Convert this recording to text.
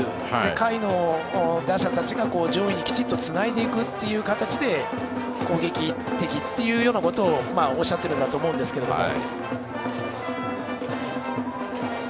下位の打者たちが上位にきちっとつないでいくという形で攻撃的ということをおっしゃっているんだと思うんですけれども。